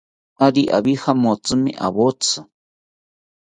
Ari abijamotsimi awotzi